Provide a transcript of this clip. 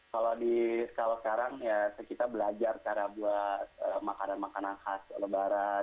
kalau sekarang ya kita belajar cara buat makanan makanan khas lebaran